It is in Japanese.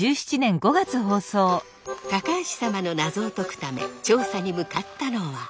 高橋様の謎を解くため調査に向かったのは。